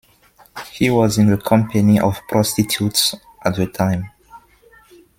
He was in the company of prostitutes at the time.